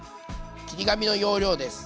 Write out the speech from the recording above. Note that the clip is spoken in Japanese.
切り紙の要領です。